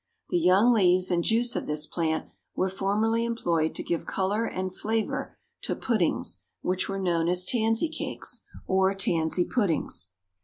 The young leaves and juice of this plant were formerly employed to give color and flavor to puddings, which were known as tansy cakes, or tansy puddings.